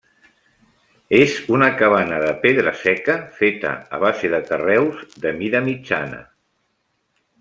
És una cabana de pedra seca feta a base de carreus de mida mitjana.